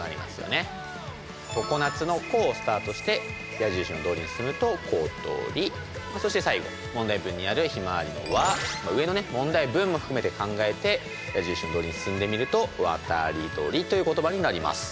「とこなつ」の「こ」をスタートして矢印のとおりに進むと「ことり」そして最後問題文にある「ひまわり」の「わ」上の問題文も含めて考えて矢印のとおりに進んでみると「わたりどり」という言葉になります。